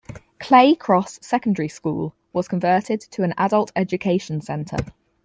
Clay Cross Secondary School was converted to an adult education centre.